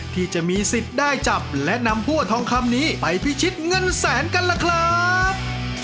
ที่จะมีสิทธิ์ได้จับและนำหัวทองคำนี้ไปพิชิตเงินแสนกันล่ะครับ